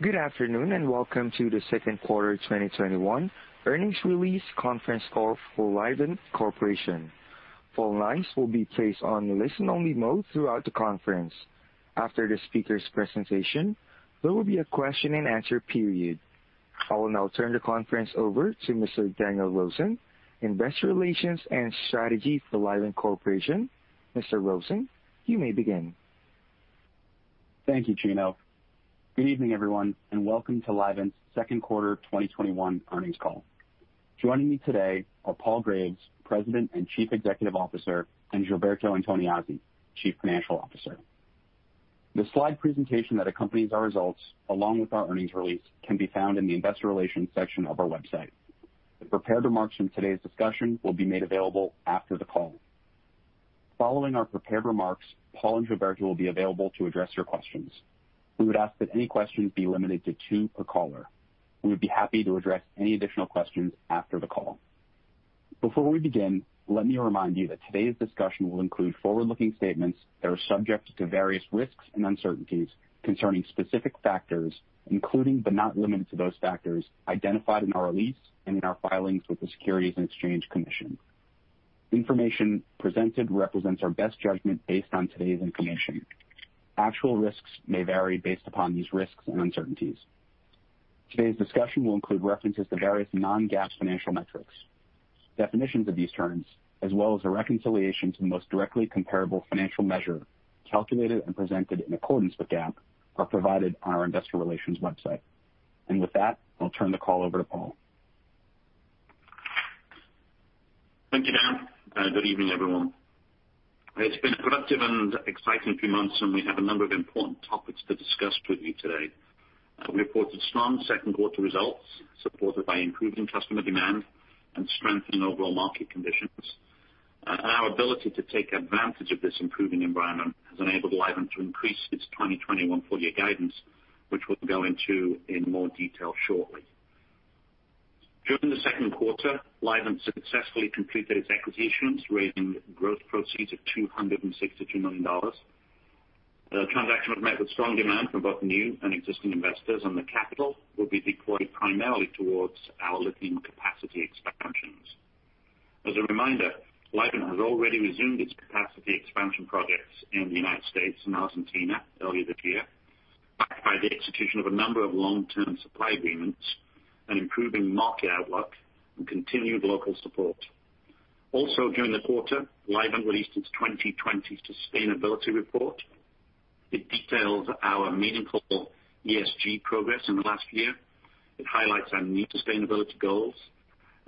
Good afternoon, welcome to the second quarter 2021 earnings release conference call for Livent Corporation. All lines will be placed on listen-only mode throughout the conference. After the speaker's presentation, there will be a question and answer period. I will now turn the conference over to Mr. Daniel Rosen, investor relations and strategy for Livent Corporation. Mr. Rosen, you may begin. Thank you, Gino. Good evening, everyone, and welcome to Livent's second quarter 2021 earnings call. Joining me today are Paul Graves, President and Chief Executive Officer, and Gilberto Antoniazzi, Chief Financial Officer. The slide presentation that accompanies our results, along with our earnings release, can be found in the investor relations section of our website. The prepared remarks in today's discussion will be made available after the call. Following our prepared remarks, Paul and Gilberto will be available to address your questions. We would ask that any questions be limited to two per caller. We would be happy to address any additional questions after the call. Before we begin, let me remind you that today's discussion will include forward-looking statements that are subject to various risks and uncertainties concerning specific factors, including but not limited to those factors identified in our release and in our filings with the Securities and Exchange Commission. Information presented represents our best judgment based on today's information. Actual risks may vary based upon these risks and uncertainties. Today's discussion will include references to various non-GAAP financial metrics. Definitions of these terms, as well as a reconciliation to the most directly comparable financial measure, calculated and presented in accordance with GAAP, are provided on our investor relations website. With that, I'll turn the call over to Paul. Thank you, Dan. Good evening, everyone. It's been a productive and exciting few months. We have a number of important topics to discuss with you today. We reported strong second quarter results supported by improving customer demand and strengthened overall market conditions. Our ability to take advantage of this improving environment has enabled Livent to increase its 2021 full-year guidance, which we'll go into in more detail shortly. During the second quarter, Livent successfully completed its acquisitions, raising gross proceeds of $262 million. The transaction was met with strong demand from both new and existing investors, and the capital will be deployed primarily towards our lithium capacity expansions. As a reminder, Livent has already resumed its capacity expansion projects in the U.S. and Argentina earlier this year, backed by the execution of a number of long-term supply agreements and improving market outlook and continued local support. Also, during the quarter, Livent released its 2020 sustainability report. It details our meaningful ESG progress in the last year. It highlights our new sustainability goals,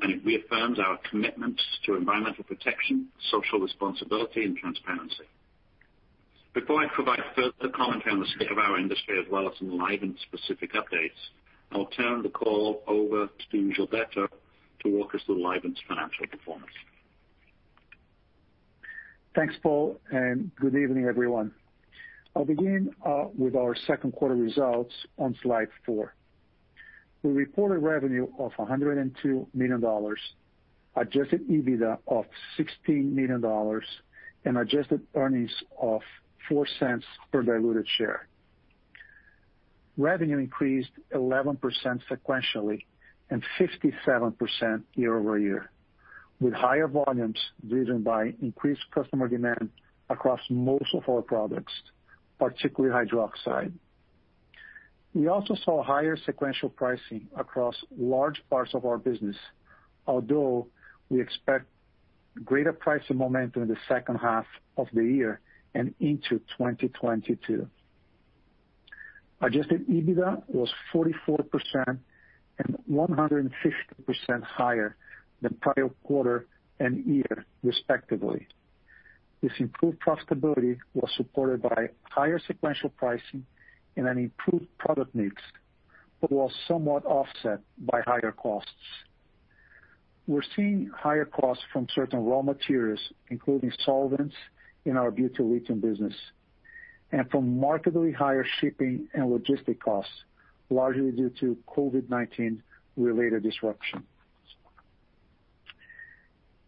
and it reaffirms our commitment to environmental protection, social responsibility, and transparency. Before I provide further commentary on the state of our industry as well as some Livent-specific updates, I'll turn the call over to Gilberto to walk us through Livent's financial performance. Thanks, Paul, and good evening, everyone. I'll begin with our second quarter results on slide four. We reported revenue of $102 million, adjusted EBITDA of $16 million, and adjusted earnings of $0.04 per diluted share. Revenue increased 11% sequentially and 57% year-over-year, with higher volumes driven by increased customer demand across most of our products, particularly hydroxide. We also saw higher sequential pricing across large parts of our business, although we expect greater pricing momentum in the second half of the year and into 2022. Adjusted EBITDA was 44% and 150% higher than prior quarter and year, respectively. This improved profitability was supported by higher sequential pricing and an improved product mix, but was somewhat offset by higher costs. We're seeing higher costs from certain raw materials, including solvents in our butyllithium business, and from markedly higher shipping and logistic costs, largely due to COVID-19 related disruption.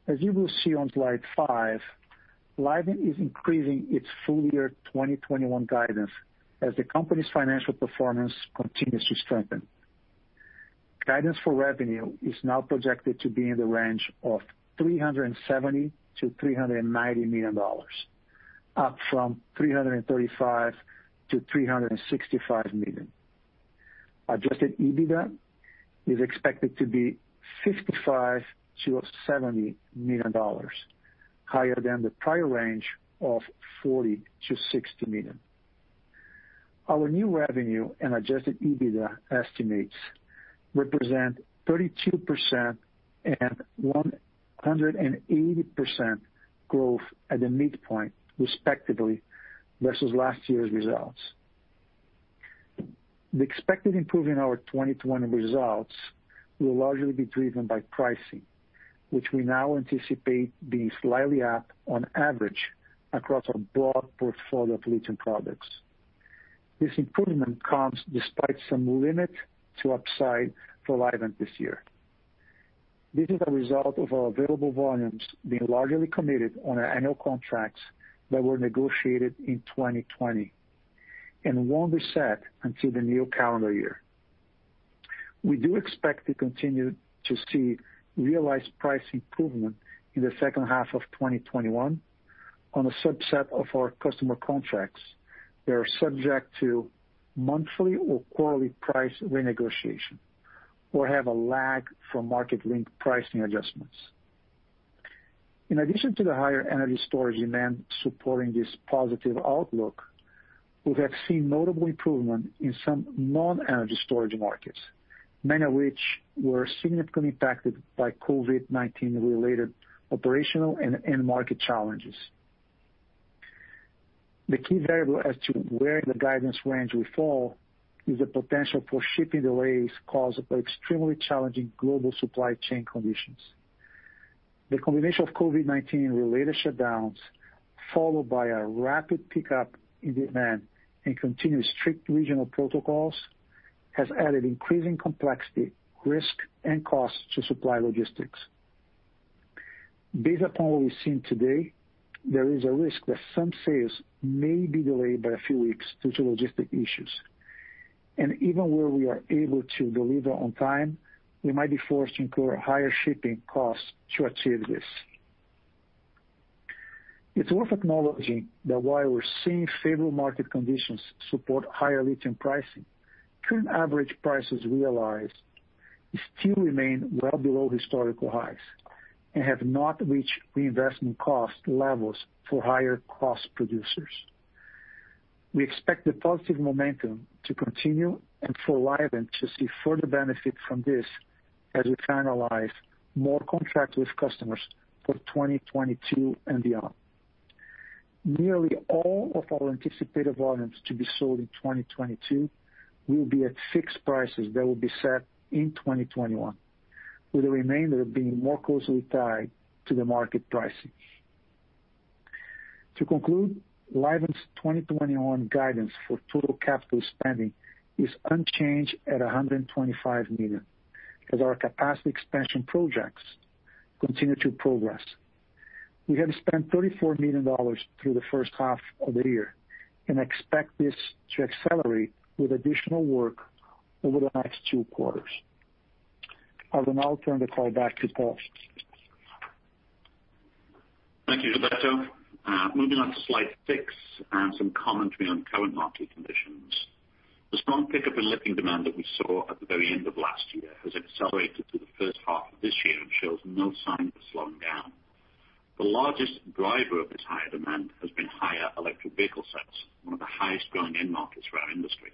As you will see on slide five, Livent is increasing its full year 2021 guidance as the company's financial performance continues to strengthen. Guidance for revenue is now projected to be in the range of $370 million-$390 million, up from $335 million-$365 million. Adjusted EBITDA is expected to be $55 million-$70 million, higher than the prior range of $40 million-$60 million. Our new revenue and Adjusted EBITDA estimates represent 32% and 180% growth at the midpoint, respectively, versus last year's results. The expected improvement in our 2020 results will largely be driven by pricing, which we now anticipate being slightly up on average across our broad portfolio of lithium products. This improvement comes despite some limit to upside for Livent this year. This is a result of our available volumes being largely committed on our annual contracts that were negotiated in 2020, and won't be set until the new calendar year. We do expect to continue to see realized price improvement in the second half of 2021 on a subset of our customer contracts that are subject to monthly or quarterly price renegotiation or have a lag for market-linked pricing adjustments. In addition to the higher energy storage demand supporting this positive outlook, we have seen notable improvement in some non-energy storage markets, many of which were significantly impacted by COVID-19 related operational and end market challenges. The key variable as to where the guidance range will fall is the potential for shipping delays caused by extremely challenging global supply chain conditions. The combination of COVID-19 related shutdowns, followed by a rapid pickup in demand and continued strict regional protocols, has added increasing complexity, risk, and cost to supply logistics. Based upon what we've seen today, there is a risk that some sales may be delayed by a few weeks due to logistic issues. Even where we are able to deliver on time, we might be forced to incur higher shipping costs to achieve this. It's worth acknowledging that while we're seeing favorable market conditions support higher lithium pricing, current average prices realized still remain well below historical highs and have not reached reinvestment cost levels for higher cost producers. We expect the positive momentum to continue and for Livent to see further benefit from this as we finalize more contracts with customers for 2022 and beyond. Nearly all of our anticipated volumes to be sold in 2022 will be at fixed prices that will be set in 2021, with the remainder being more closely tied to the market pricing. To conclude, Livent's 2021 guidance for total capital spending is unchanged at $125 million, as our capacity expansion projects continue to progress. We have spent $34 million through the first half of the year and expect this to accelerate with additional work over the next two quarters. I will now turn the call back to Paul. Thank you, Gilberto. Moving on to slide six and some commentary on current market conditions. The strong pickup in lithium demand that we saw at the very end of last year has accelerated through the first half of this year and shows no sign of slowing down. The largest driver of this higher demand has been higher electric vehicle sales, one of the highest growing end markets for our industry.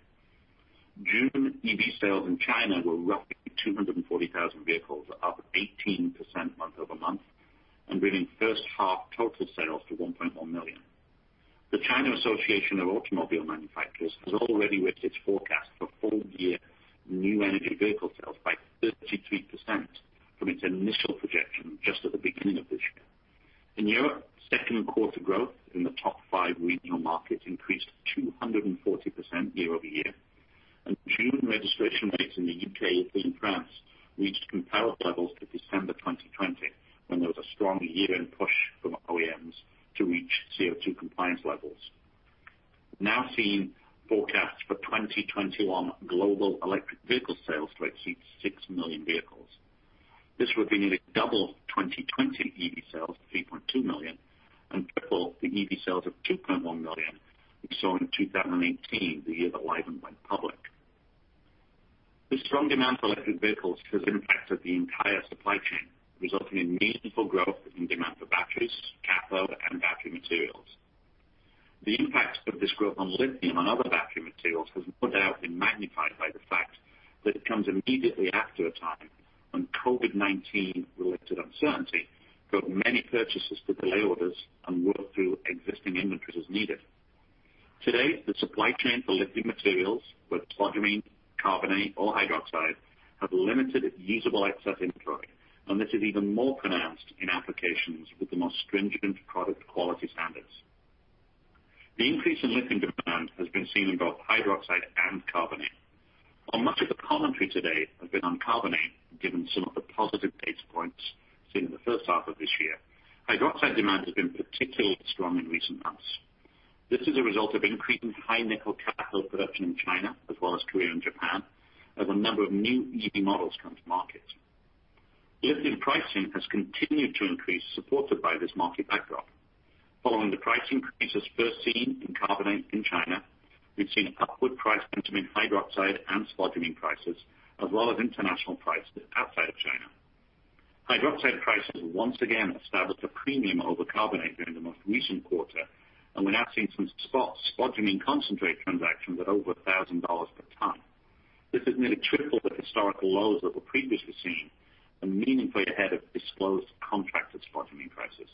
June EV sales in China were roughly 240,000 vehicles, up 18% month-over-month, and bringing first half total sales to 1.1 million. The China Association of Automobile Manufacturers has already raised its forecast for full year new energy vehicle sales by 33% from its initial projection just at the beginning of this year. In Europe, second quarter growth in the top five regional markets increased 240% year-over-year, and June registration rates in the U.K. and France reached comparable levels to December 2020, when there was a strong year-end push from OEMs to reach CO2 compliance levels. We're now seeing forecasts for 2021 global electric vehicle sales to exceed six million vehicles. This would be nearly double 2020 EV sales of 3.2 million and 3x the EV sales of 2.1 million we saw in 2018, the year that Livent went public. The strong demand for electric vehicles has impacted the entire supply chain, resulting in meaningful growth in demand for batteries, cathode, and battery materials. The impact of this growth on lithium and other battery materials has no doubt been magnified by the fact that it comes immediately after a time when COVID-19-related uncertainty got many purchasers to delay orders and work through existing inventories as needed. Today, the supply chain for lithium materials, whether spodumene, carbonate, or hydroxide, have limited usable excess inventory, and this is even more pronounced in applications with the most stringent product quality standards. The increase in lithium demand has been seen in both hydroxide and carbonate. While much of the commentary today has been on carbonate, given some of the positive data points seen in the first half of this year, hydroxide demand has been particularly strong in recent months. This is a result of increasing high-nickel cathode production in China, as well as Korea and Japan, as a number of new EV models come to market. Lithium pricing has continued to increase, supported by this market backdrop. Following the price increases first seen in carbonate in China, we've seen upward price trending in hydroxide and spodumene prices, as well as international prices outside of China. Hydroxide prices once again established a premium over carbonate during the most recent quarter, and we're now seeing some spot spodumene concentrate transactions at over $1,000 per ton. This is nearly triple the historical lows that were previously seen and meaningfully ahead of disclosed contracted spodumene prices.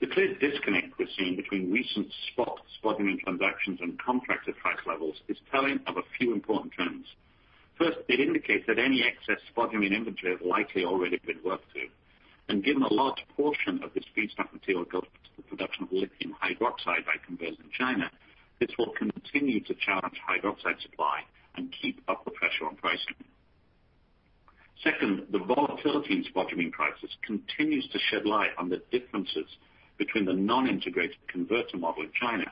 The clear disconnect we're seeing between recent spot spodumene transactions and contracted price levels is telling of a few important trends. Given a large portion of this feedstock material goes to the production of lithium hydroxide by converters in China, this will continue to challenge hydroxide supply and keep up the pressure on pricing. Second, the volatility in spodumene prices continues to shed light on the differences between the non-integrated converter model in China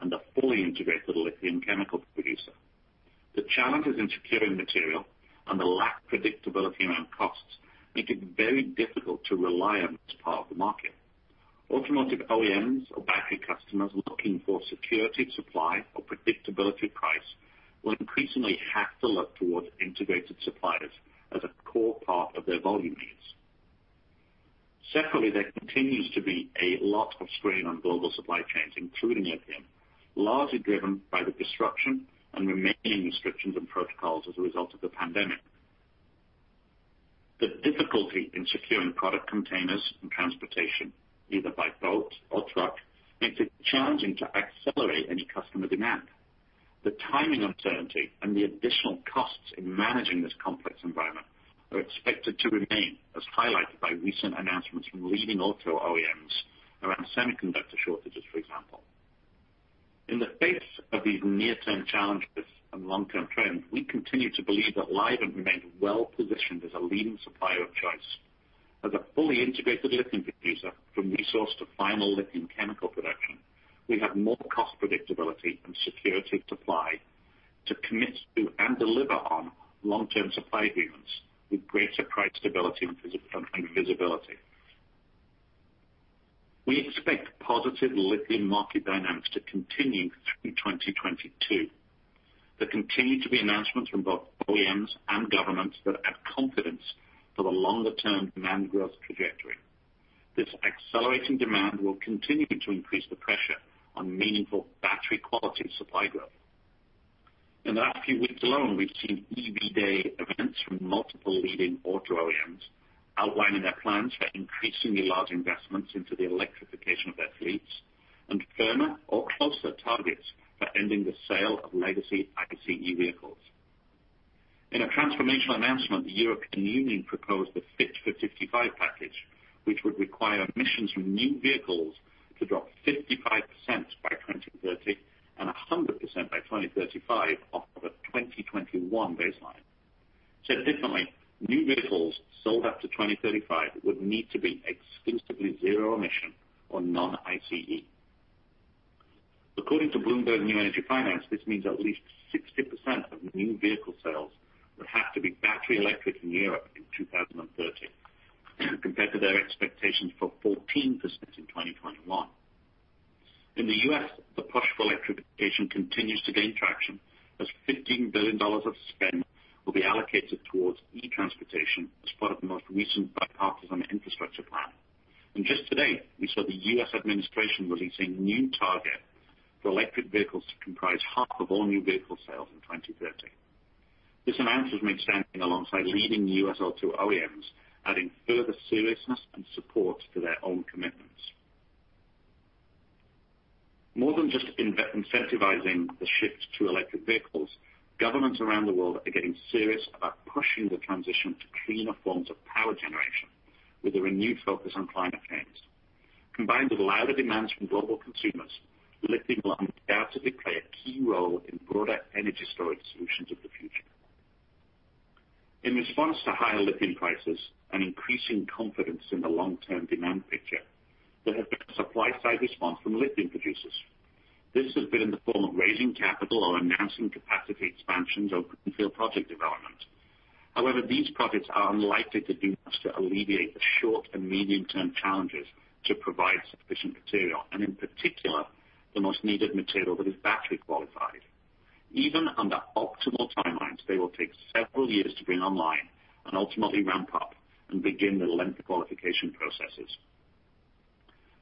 and a fully integrated lithium chemical producer. The challenges in securing material and the lack of predictability around costs make it very difficult to rely on this part of the market. Automotive OEMs or battery customers looking for security of supply or predictability of price will increasingly have to look towards integrated suppliers as a core part of their volume needs. Secondly, there continues to be a lot of strain on global supply chains, including lithium, largely driven by the disruption and remaining restrictions and protocols as a result of the pandemic. The difficulty in securing product containers and transportation, either by boat or truck, makes it challenging to accelerate any customer demand. The timing uncertainty and the additional costs in managing this complex environment are expected to remain, as highlighted by recent announcements from leading auto OEMs around semiconductor shortages, for example. In the face of these near-term challenges and long-term trends, we continue to believe that Livent remains well-positioned as a leading supplier of choice. As a fully integrated lithium producer from resource to final lithium chemical production, we have more cost predictability and security of supply to commit to and deliver on long-term supply agreements with greater price stability and visibility. We expect positive lithium market dynamics to continue through 2022. There continue to be announcements from both OEMs and governments that add confidence to the longer-term demand growth trajectory. This accelerating demand will continue to increase the pressure on meaningful battery quality and supply growth. In the last few weeks alone, we've seen EV Day events from multiple leading auto OEMs outlining their plans for increasingly large investments into the electrification of their fleets and firmer or closer targets for ending the sale of legacy ICE vehicles. In a transformational announcement, the European Union proposed the Fit for 55 package, which would require emissions from new vehicles to drop 55% by 2030 and 100% by 2035 off of a 2021 baseline. Said differently, new vehicles sold after 2035 would need to be exclusively zero emission or non-ICE. According to Bloomberg New Energy Finance, this means at least 60% of new vehicle sales would have to be battery electric in Europe in 2030, compared to their expectations for 14% in 2021. In the U.S., the push for electrification continues to gain traction as $15 billion of spend will be allocated towards e-transportation as part of the most recent bipartisan infrastructure plan. Just today, we saw the U.S. Administration releasing new target for electric vehicles to comprise half of all new vehicle sales in 2030. This announcement standing alongside leading U.S. auto OEMs, adding further seriousness and support to their own commitments. More than just incentivizing the shift to electric vehicles, governments around the world are getting serious about pushing the transition to cleaner forms of power generation with a renewed focus on climate change. Combined with louder demands from global consumers, lithium will undoubtedly play a key role in broader energy storage solutions of the future. In response to higher lithium prices and increasing confidence in the long-term demand picture, there has been a supply-side response from lithium producers. This has been in the form of raising capital or announcing capacity expansions or greenfield project development. These projects are unlikely to do much to alleviate the short- and medium-term challenges to provide sufficient material, and in particular, the most needed material that is battery qualified. Even under optimal timelines, they will take several years to bring online and ultimately ramp up and begin the lengthy qualification processes.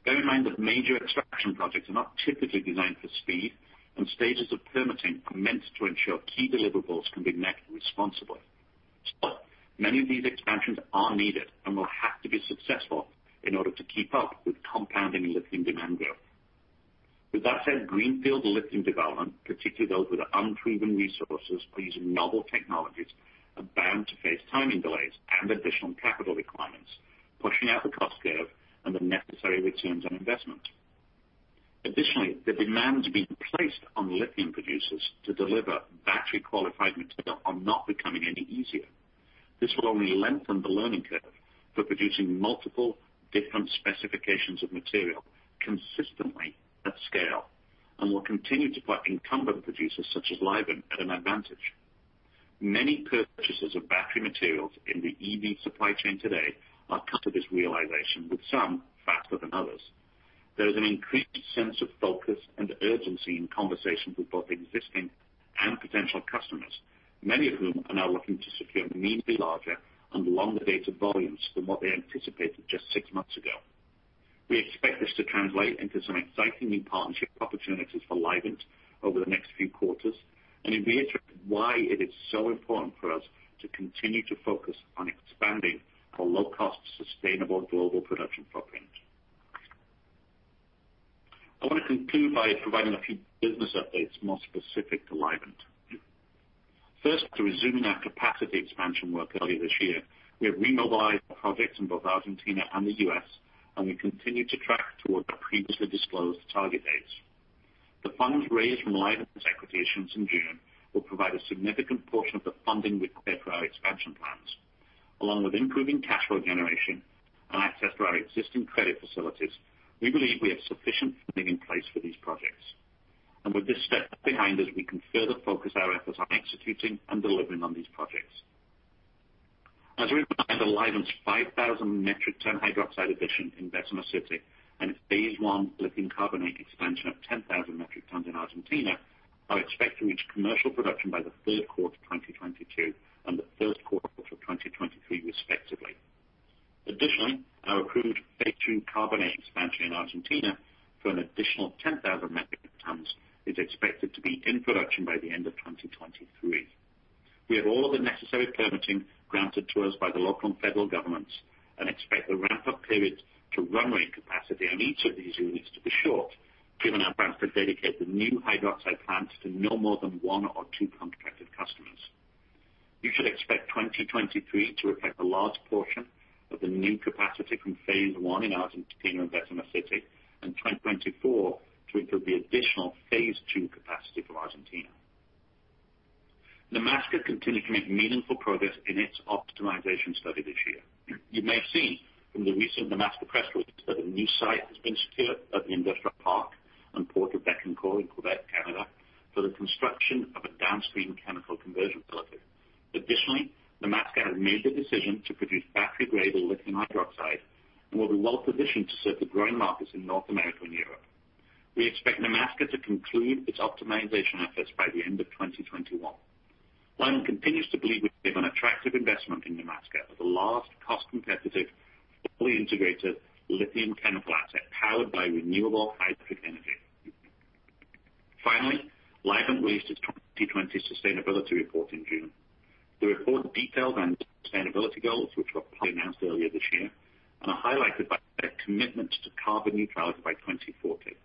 Bear in mind that major extraction projects are not typically designed for speed, and stages of permitting commence to ensure key deliverables can be met responsibly. Still, many of these expansions are needed and will have to be successful in order to keep up with compounding lithium demand growth. With that said, greenfield lithium development, particularly those with untried resources or using novel technologies, are bound to face timing delays and additional capital requirements, pushing out the cost curve and the necessary returns on investment. Additionally, the demands being placed on lithium producers to deliver battery-qualified material are not becoming any easier. This will only lengthen the learning curve for producing multiple different specifications of material consistently at scale, and will continue to put incumbent producers such as Livent at an advantage. Many purchasers of battery materials in the EV supply chain today are coming to this realization, with some faster than others. There is an increased sense of focus and urgency in conversations with both existing and potential customers, many of whom are now looking to secure meaningfully larger and longer dated volumes than what they anticipated just six months ago. We expect this to translate into some exciting new partnership opportunities for Livent over the next few quarters and reiterate why it is so important for us to continue to focus on expanding our low-cost, sustainable global production footprint. I want to conclude by providing a few business updates more specific to Livent. First, to resume our capacity expansion work earlier this year, we have remobilized projects in both Argentina and the U.S., and we continue to track toward our previously disclosed target dates. The funds raised from Livent's equity issuance in June will provide a significant portion of the funding required for our expansion plans. Along with improving cash flow generation and access to our existing credit facilities, we believe we have sufficient funding in place for these projects. With this step behind us, we can further focus our efforts on executing and delivering on these projects. As a reminder, Livent's 5,000 metric ton hydroxide addition in Bessemer City and its phase I lithium carbonate expansion of 10,000 metric tons in Argentina are expected to reach commercial production by the third quarter of 2022 and the third quarter of 2023, respectively. Additionally, our accrued phase two carbonate expansion in Argentina for an additional 10,000 metric tons is expected to be in production by the end of 2023. We have all the necessary permitting granted to us by the local and federal governments and expect the ramp-up periods to run-rate capacity on each of these units to be short, given our plans to dedicate the new hydroxide plants to no more than one or two contracted customers. You should expect 2023 to reflect a large portion of the new capacity from phase I in Argentina and Bessemer City and 2024 to include the additional phase II capacity from Argentina. Nemaska continued to make meaningful progress in its optimization study this year. You may have seen from the recent Nemaska press release that a new site has been secured at the Industrial Park and Port of Bécancour in Québec, Canada, for the construction of a downstream chemical conversion facility. Additionally, Nemaska has made the decision to produce battery-grade lithium hydroxide and will be well-positioned to serve the growing markets in North America and Europe. We expect Nemaska to conclude its optimization efforts by the end of 2021. Livent continues to believe we have an attractive investment in Nemaska as a large cost-competitive, fully integrated lithium chemical asset powered by renewable hydroelectric energy. Finally, Livent released its 2020 sustainability report in June. The report detailed on sustainability goals, which were announced earlier this year, and are highlighted by their commitments to carbon neutrality by 2040,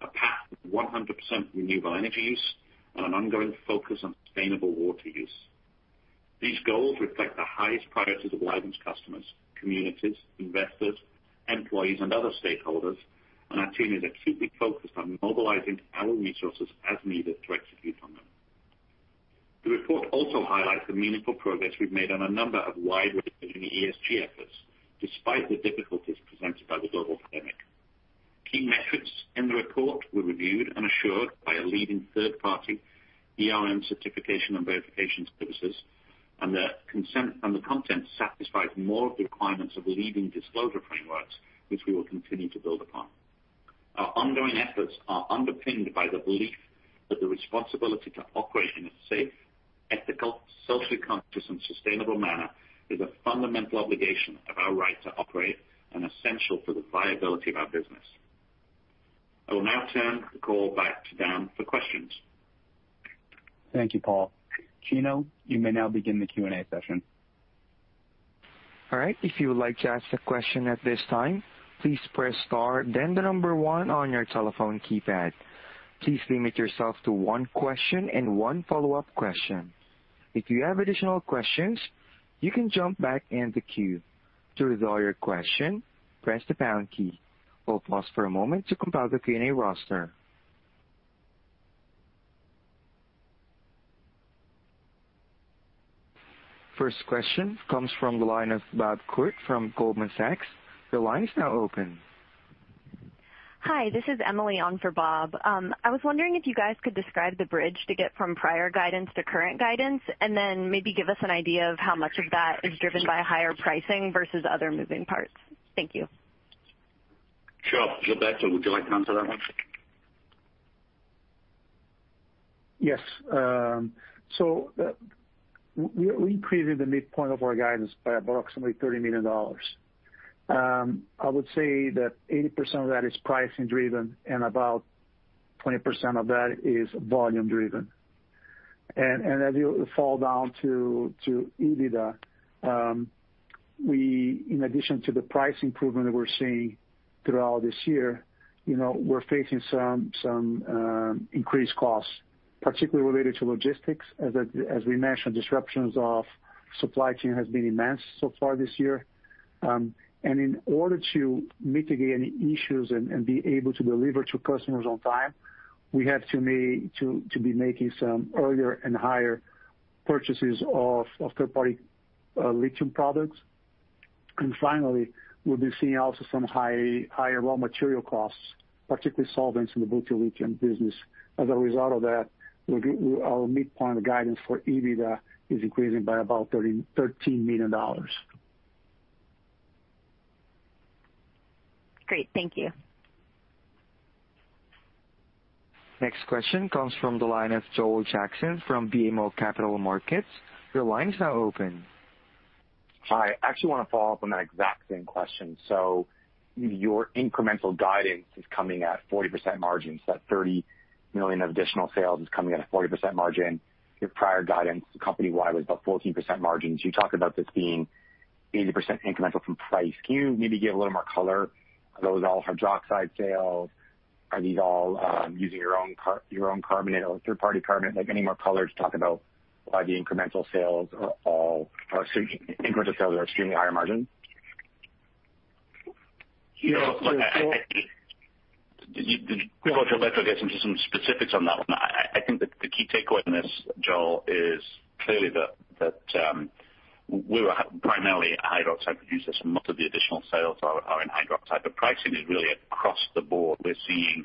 a path to 100% renewable energy use, and an ongoing focus on sustainable water use. These goals reflect the highest priorities of Livent's customers, communities, investors, employees, and other stakeholders, and our team is acutely focused on mobilizing our resources as needed to execute on them. The report also highlights the meaningful progress we've made on a number of wide-ranging ESG efforts, despite the difficulties presented by the global pandemic. Key metrics in the report were reviewed and assured by a leading third-party ERM Certification and Verification Services, and the content satisfies more of the requirements of leading disclosure frameworks, which we will continue to build upon. Our ongoing efforts are underpinned by the belief that the responsibility to operate in a safe, ethical, socially conscious, and sustainable manner is a fundamental obligation of our right to operate and essential for the viability of our business. I will now turn the call back to Dan for questions. Thank you, Paul. Gino, you may now begin the Q&A session. All right. If you would like to ask a question at this time, please press star then the number one on your telephone keypad. Please limit yourself to one question and one follow-up question. If you have additional questions, you can jump back in the queue. To withdraw your question, press the pound key. We'll pause for a moment to compile the Q&A roster. First question comes from the line of Bob Koort from Goldman Sachs. Your line is now open. Hi, this is Emily on for Bob. I was wondering if you guys could describe the bridge to get from prior guidance to current guidance, and then maybe give us an idea of how much of that is driven by higher pricing versus other moving parts. Thank you. Sure. Gilberto, would you like to answer that one? We increased the midpoint of our guidance by approximately $30 million. I would say that 80% of that is pricing driven and about 20% of that is volume driven. As you fall down to EBITDA, in addition to the price improvement that we're seeing throughout this year, we're facing some increased costs, particularly related to logistics. As we mentioned, disruptions of supply chain has been immense so far this year. In order to mitigate any issues and be able to deliver to customers on time, we have to be making some earlier and higher purchases of third-party lithium products. Finally, we'll be seeing also some higher raw material costs, particularly solvents in the butyllithium business. As a result of that, our midpoint guidance for EBITDA is increasing by about $13 million. Great. Thank you. Next question comes from the line of Joel Jackson from BMO Capital Markets. Your line is now open. Hi. I actually want to follow up on that exact same question. Your incremental guidance is coming at 40% margins. That $30 million of additional sales is coming at a 40% margin. Your prior guidance company-wide was about 14% margins. You talked about this being 80% incremental from price. Can you maybe give a little more color? Are those all hydroxide sales? Are these all using your own carbonate or third-party carbonate? Any more color to talk about why the incremental sales are extremely higher margin? Yeah. Look, Yeah. Before Gilberto gets into some specifics on that one, I think that the key takeaway in this, Joel, is clearly that we're primarily a hydroxide producer, so most of the additional sales are in hydroxide. Pricing is really across the board. We're seeing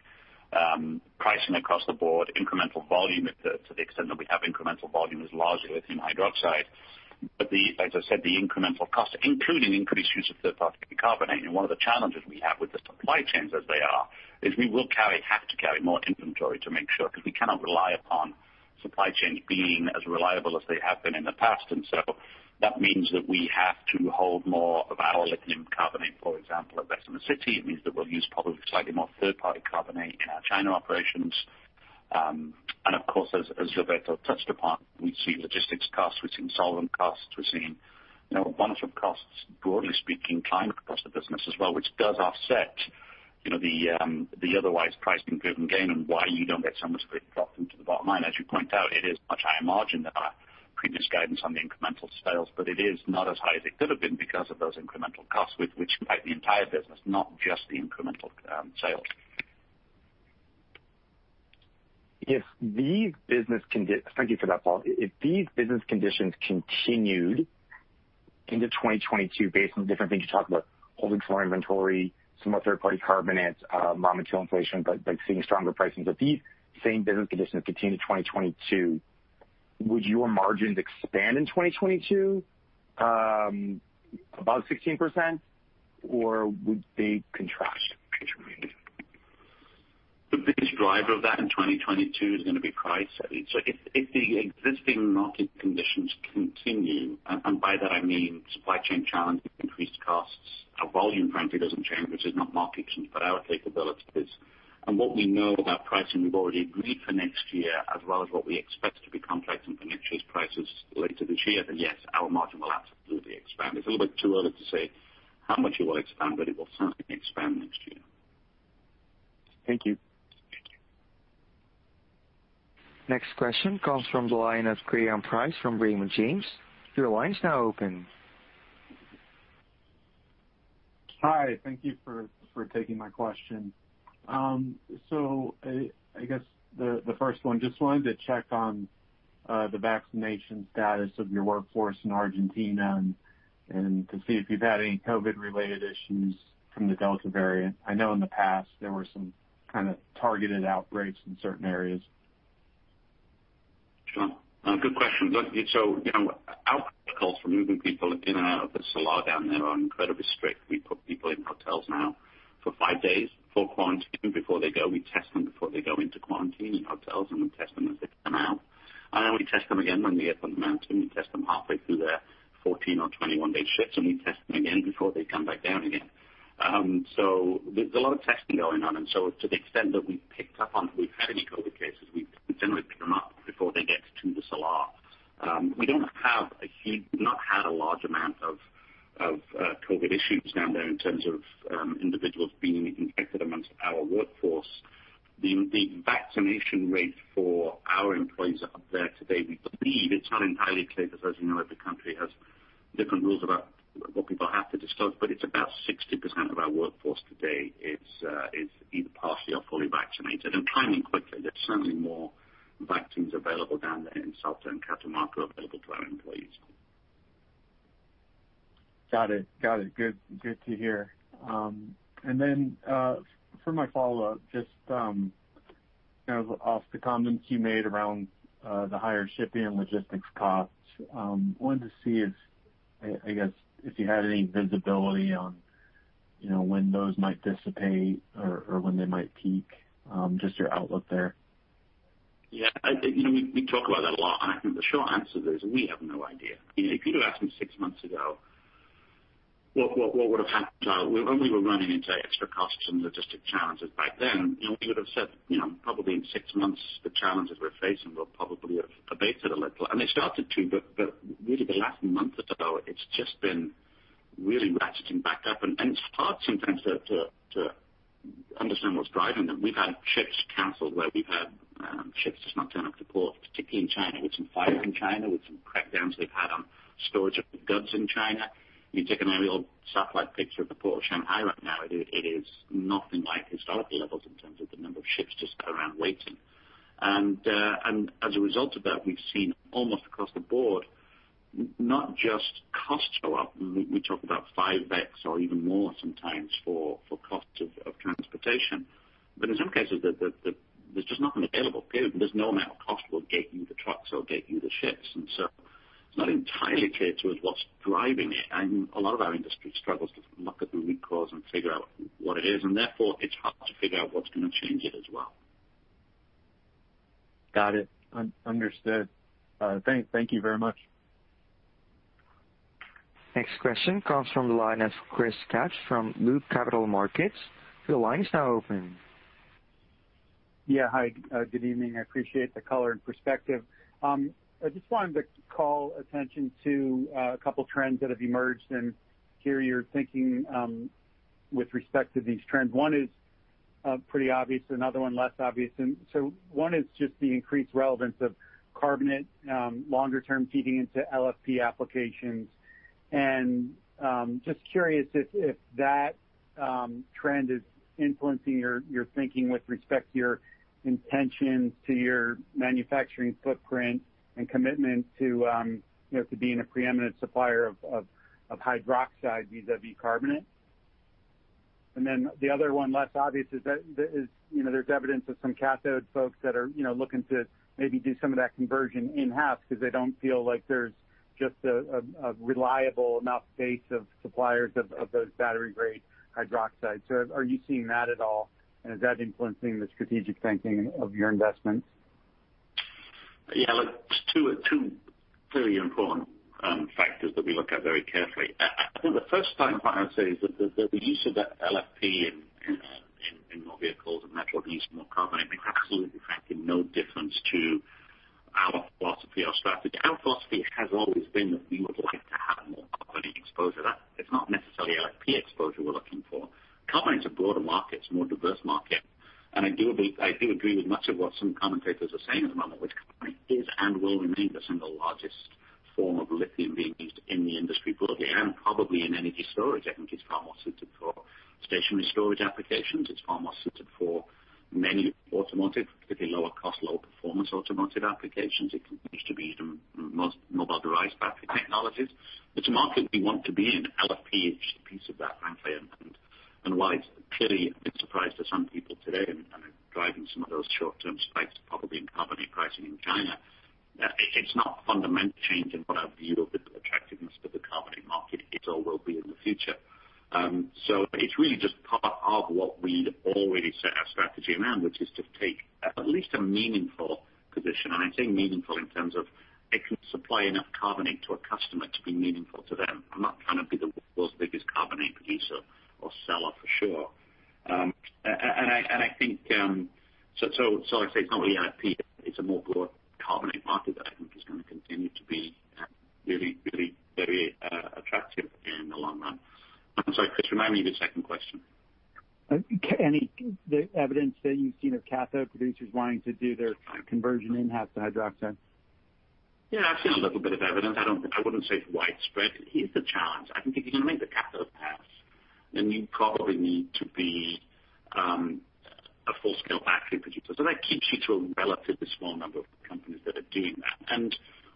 pricing across the board, incremental volume, to the extent that we have incremental volume, is largely within hydroxide. As I said, the incremental cost, including increased use of third-party carbonate. One of the challenges we have with the supply chains as they are, is we have to carry more inventory to make sure, because we cannot rely upon supply chains being as reliable as they have been in the past. That means that we have to hold more of our own lithium carbonate, for example, at Bessemer City. It means that we'll use probably slightly more third-party carbonate in our China operations. Of course, as Gilberto touched upon, we're seeing logistics costs, we're seeing solvent costs, we're seeing raw material costs, broadly speaking, climbing across the business as well, which does offset the otherwise price-driven gain and why you don't get so much great drop into the bottom line. As you point out, it is much higher margin than our previous guidance on the incremental sales, but it is not as high as it could have been because of those incremental costs, which impact the entire business, not just the incremental sales. Thank you for that, Paul. If these business conditions continued into 2022 based on the different things you talked about, holding more inventory, some more third-party carbonate, raw material inflation, but seeing stronger pricing. If these same business conditions continue to 2022, would your margins expand in 2022 above 16%, or would they contract into 2022? The biggest driver of that in 2022 is going to be price setting. If the existing market conditions continue, and by that I mean supply chain challenges, increased costs, our volume frankly doesn't change, which is not market conditions, but our capabilities. What we know about pricing we've already agreed for next year, as well as what we expect to be contracting for next year's prices later this year, yes, our margin will absolutely expand. It's a little bit too early to say how much it will expand, it will certainly expand next year. Thank you. Next question comes from the line of Graham Price from Raymond James. Your line is now open. Hi. Thank you for taking my question. I guess the first one, just wanted to check on the vaccination status of your workforce in Argentina and to see if you've had any COVID-related issues from the Delta variant. I know in the past there were some kind of targeted outbreaks in certain areas. Sure. Good question. Look, our protocols for moving people in and out of the salar down there are incredibly strict. We put people in hotels now for five days for quarantine before they go. We test them before they go into quarantine in hotels, and we test them as they come out. We test them again when they get up the mountain. We test them halfway through their 14 or 21-day shifts, and we test them again before they come back down again. There's a lot of testing going on. To the extent that we've had any COVID cases, we've generally picked them up before they get to the salar. We've not had a large amount of COVID issues down there in terms of individuals being infected amongst our workforce. The vaccination rate for our employees up there today, we believe, it's not entirely clear because as you know, every country has different rules about what people have to disclose, but it's about 60% of our workforce today is either partially or fully vaccinated and climbing quickly. There's certainly more vaccines available down there in Salta and Catamarca available to our employees. Got it. Good to hear. For my follow-up, just off the comments you made around the higher shipping logistics costs, I wanted to see if you had any visibility on when those might dissipate or when they might peak. Just your outlook there. Yeah. We talk about that a lot, and I think the short answer is we have no idea. If you'd have asked me 6 months ago what would've happened when we were running into extra costs and logistic challenges back then, we would've said probably in six months the challenges we're facing will probably have abated a little. They started to, but really the last month or so, it's just been really ratcheting back up. It's hard sometimes to understand what's driving them. We've had ships canceled where we've had ships just not turn up to port, particularly in China, with some fires in China, with some crackdowns they've had on storage of goods in China. You take an aerial satellite picture of the port of Shanghai right now, it is nothing like historical levels in terms of the number of ships just around waiting. As a result of that, we've seen almost across the board, not just costs go up. We talk about 5x or even more sometimes for cost of transportation. In some cases, there's just nothing available, period. There's no amount of cost will get you the trucks or get you the ships. It's not entirely clear to us what's driving it. A lot of our industry struggles to look at the root cause and figure out what it is, and therefore it's hard to figure out what's going to change it as well. Got it. Understood. Thank you very much. Next question comes from the line of Chris Kapsch from Loop Capital Markets. Your line is now open. Yeah. Hi, good evening. I appreciate the color and perspective. I just wanted to call attention to a couple trends that have emerged and hear your thinking with respect to these trends. One is pretty obvious, another one less obvious. One is just the increased relevance of carbonate, longer term feeding into LFP applications. Just curious if that trend is influencing your thinking with respect to your intentions, to your manufacturing footprint and commitment to being a preeminent supplier of hydroxide vis-a-vis carbonate. The other one less obvious is that there's evidence of some cathode folks that are looking to maybe do some of that conversion in-house because they don't feel like there's just a reliable enough base of suppliers of those battery-grade hydroxides. Are you seeing that at all and is that influencing the strategic thinking of your investments? Yeah. Look, two very important factors that we look at very carefully. I think the first thing I would say is that the use of that LFP in more vehicles and natural use more carbonate makes absolutely frankly, no difference to our philosophy or strategy. Our philosophy has always been that we would like to have more carbonate exposure. That is not necessarily LFP exposure we're looking for. Carbonate is a broader market, it's a more diverse market, and I do agree with much of what some commentators are saying at the moment, which carbonate is and will remain the single largest form of lithium being used in the industry broadly and probably in energy storage. I think it's far more suited for stationary storage applications. It's far more suited for many automotive, particularly lower cost, low performance automotive applications. It can continue to be used in mobilized battery technologies. It's a market we want to be in. LFP is just a piece of that, frankly. While it's clearly a big surprise to some people today and is driving some of those short-term spikes probably in carbonate pricing in China, it's not a fundamental change in what our view of the attractiveness of the carbonate market is or will be in the future. It's really just part of what we'd already set our strategy around, which is to take at least a meaningful position, and I say meaningful in terms of it can supply enough carbonate to a customer to be meaningful to them. I'm not trying to be the world's biggest carbonate producer or seller for sure. I'd say it's not really LFP, it's a more broad carbonate market that I think is going to continue to be really attractive in the long run. I'm sorry, Chris, remind me of your second question? Any evidence that you've seen of cathode producers wanting to do their conversion in-house to hydroxide? Yeah, I've seen a little bit of evidence. I wouldn't say it's widespread. Here's the challenge. I think if you're going to make the cathode pass, then you probably need to be a full-scale battery producer.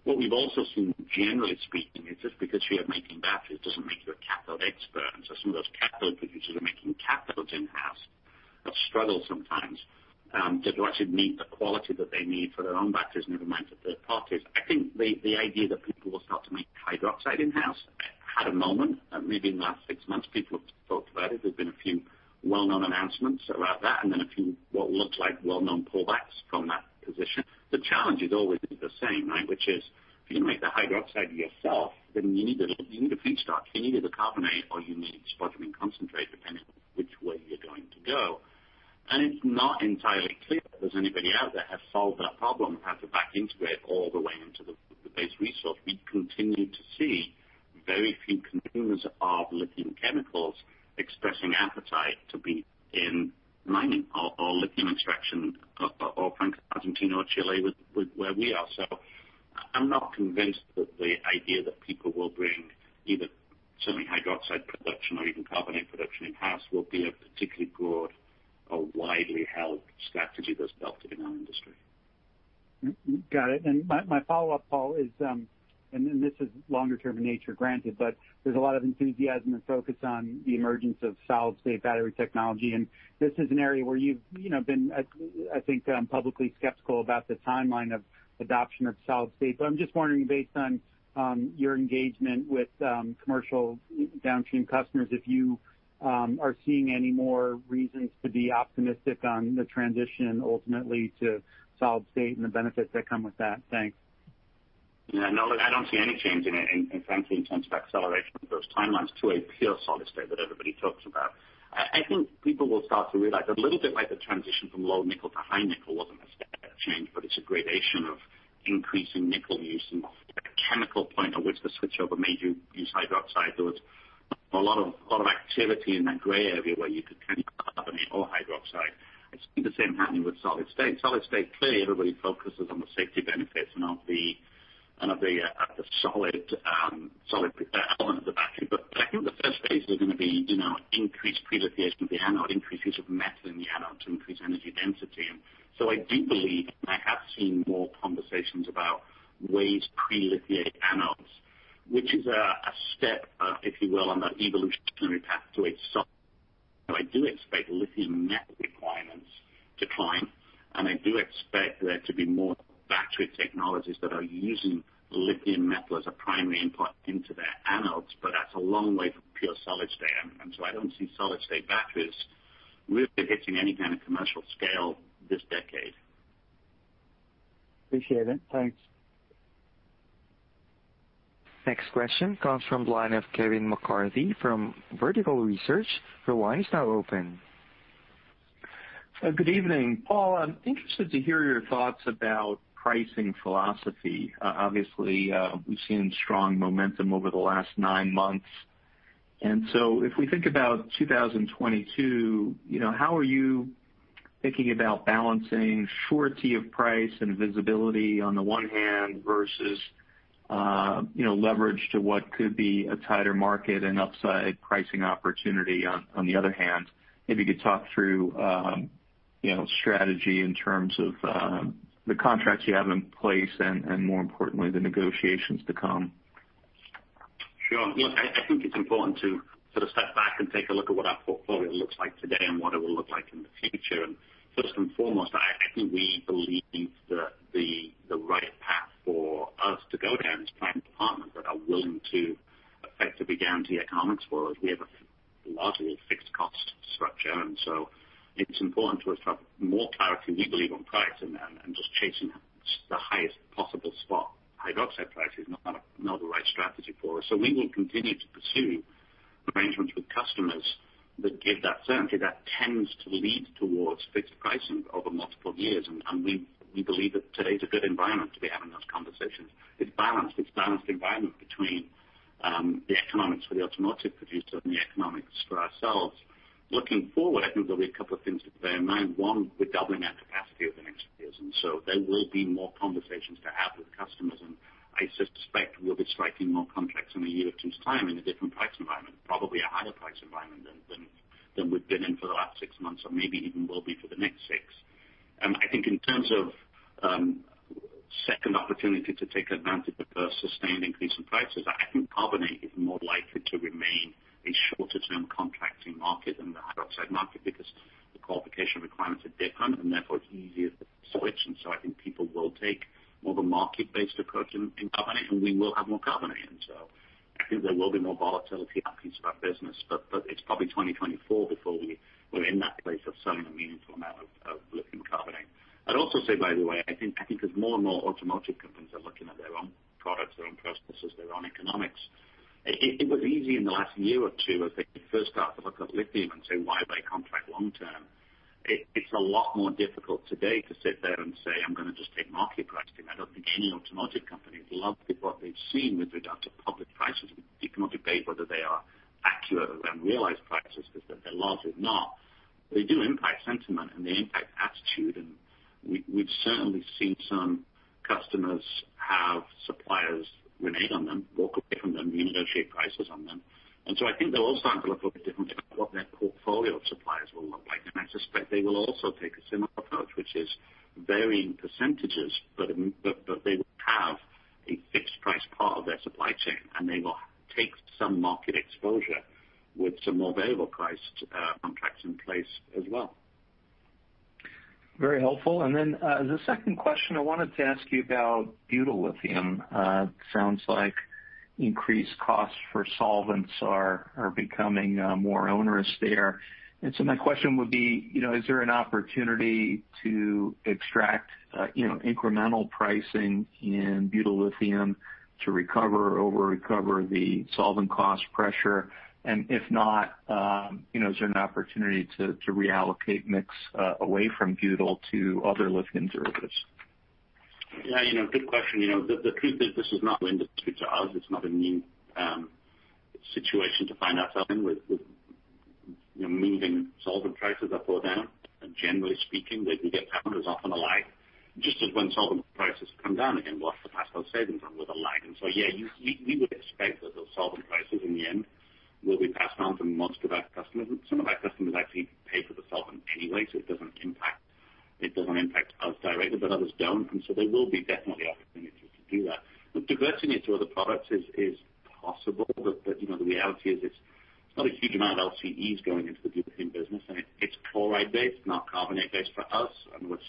What we've also seen, generally speaking, is just because you are making batteries doesn't make you a cathode expert. So some of those cathode producers are making cathodes in-house, but struggle sometimes to actually meet the quality that they need for their own batteries, never mind for third parties. I think the idea that people will start to make hydroxide in-house had a moment, maybe in the last six months, people have talked about it. There's been a few well-known announcements about that, and then a few what looked like well-known pullbacks from that position. The challenge is always the same, which is if you're going to make the hydroxide yourself, then you need a feedstock. You need the carbonate or you need spodumene concentrate, depending on which way you're going to go. It's not entirely clear that there's anybody out there has solved that problem, how to back integrate all the way into the base resource. We continue to see very few consumers of lithium chemicals expressing appetite to be in mining or lithium extraction or frankly, Argentina or Chile, where we are. I'm not convinced that the idea that people will bring either certainly hydroxide production or even carbonate production in-house will be a particularly broad or widely held strategy that's adopted in our industry. Got it. My follow-up, Paul, and this is longer term in nature, granted, but there's a lot of enthusiasm and focus on the emergence of solid state battery technology, and this is an area where you've been, I think, publicly skeptical about the timeline of adoption of solid state. I'm just wondering, based on your engagement with commercial downstream customers, if you are seeing any more reasons to be optimistic on the transition ultimately to solid state and the benefits that come with that? Thanks. Yeah, no, look, I don't see any change frankly, in terms of acceleration of those timelines to a pure solid state that everybody talks about. I think people will start to realize a little bit like the transition from low nickel to high nickel wasn't a step change, but it's a gradation of increasing nickel use and a chemical point at which the switchover made you use hydroxide. There was a lot of activity in that gray area where you could carbonate or hydroxide. I just think the same happening with solid state. Solid state, clearly everybody focuses on the safety benefits and of the solid element of the battery. I think the first phase is going to be increased pre-lithiation of the anode, increased use of metal in the anode to increase energy density. I do believe, and I have seen more conversations about ways to pre-lithiate anodes, which is a step, if you will, on the evolutionary path to a solid state battery. I do expect lithium metal requirements to climb, and I do expect there to be more battery technologies that are using lithium metal as a primary input into their anodes, but that's a long way from pure solid state. I don't see solid state batteries really hitting any kind of commercial scale this decade. Appreciate it. Thanks. Next question comes from the line of Kevin McCarthy from Vertical Research. Your line is now open. Good evening, Paul. I'm interested to hear your thoughts about pricing philosophy. Obviously, we've seen strong momentum over the last nine months. If we think about 2022, how are you thinking about balancing surety of price and visibility on the one hand, versus leverage to what could be a tighter market and upside pricing opportunity on the other hand? Maybe you could talk through strategy in terms of the contracts you have in place, and more importantly, the negotiations to come. Sure. Look, I think it's important to sort of step back and take a look at what our portfolio looks like today and what it will look like in the future. First and foremost, I think we believe that the right path for us to go down is to find partners that are willing to effectively guarantee economics for us. We have a largely fixed cost structure, and so it's important to us to have more clarity, we believe, on price. Just chasing the highest possible spot, hydroxide price is not the right strategy for us. So we will continue to pursue arrangements with customers that give that certainty. That tends to lead towards fixed pricing over multiple years. We believe that today's a good environment to be having those conversations. It's balanced environment between the economics for the automotive producer and the economics for ourselves. Looking forward, I think there'll be a couple of things to bear in mind. One, we're doubling our capacity over the next few years, and so there will be more conversations to have with customers, and I suspect we'll be striking more contracts in a year or two's time in a different price environment, probably a higher price environment than we've been in for the last six months or maybe even will be for the next six. I think in terms of second opportunity to take advantage of the sustained increase in prices, I think carbonate is more likely to remain a shorter term contracting market than the hydroxide market because the qualification requirements are different and therefore it's easier to switch. I think people will take more of a market-based approach in carbonate, and we will have more carbonate. I think there will be more volatility, that piece of our business. It's probably 2024 before we're in that place of selling a meaningful amount of lithium carbonate. I'd also say, by the way, I think as more and more automotive companies are looking at their own products, their own processes, their own economics, it was easy in the last year or two as they first start to look at lithium and say, "Why buy contract long term?" It's a lot more difficult today to sit there and say, "I'm going to just take market pricing." I don't think any automotive companies love what they've seen with regard to public prices. We can debate whether they are accurate or unrealized prices, but they're largely not. They do impact sentiment and they impact attitude, and we've certainly seen some customers have suppliers renege on them, walk away from them, renegotiate prices on them. I think they're also having to look a little bit differently at what their portfolio of suppliers will look like. I suspect they will also take a similar approach, which is varying percentages, but they will have a fixed price part of their supply chain, and they will take some market exposure with some more variable priced contracts in place as well. Very helpful. The second question, I wanted to ask you about butyllithium. Sounds like increased costs for solvents are becoming more onerous there. My question would be, is there an opportunity to extract incremental pricing in butyllithium to recover the solvent cost pressure? If not, is there an opportunity to reallocate mix away from butyl to other lithium derivatives? Yeah. Good question. The truth is, this is not new to us. It's not a new situation to find ourselves in with moving solvent prices up or down. Generally speaking, we get patterns off on a lag, just as when solvent prices come down again, we'll have to pass those savings on with a lag. Yeah, we would expect that those solvent prices in the end will be passed on to most of our customers. Some of our customers actually pay for the solvent anyway, so it doesn't impact us directly, but others don't. There will be definitely opportunities to do that. Diverting it to other products is possible. The reality is it's not a huge amount of LCEs going into the butyllithium business. It's chloride-based, not carbonate-based for us.